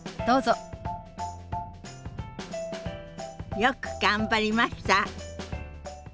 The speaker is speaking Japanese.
よく頑張りました。